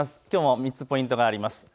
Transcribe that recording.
きょうも３つポイントがあります。